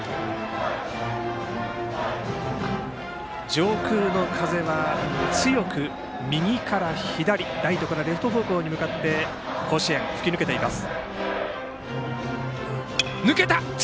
上空の風は強く右から左ライトからレフト方向に向かって甲子園、吹き抜けています。